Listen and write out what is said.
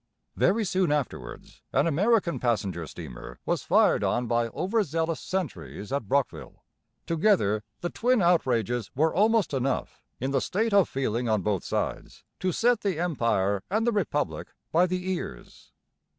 Very soon afterwards an American passenger steamer was fired on by over zealous sentries at Brockville. Together the twin outrages were almost enough, in the state of feeling on both sides, to set the Empire and the Republic by the ears.